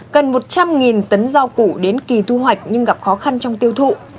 gần một trăm linh tấn rau củ đến kỳ thu hoạch nhưng gặp khó khăn trong tiêu thụ